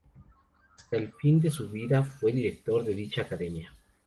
Hasta el fin de su vida fue director de dicha academia.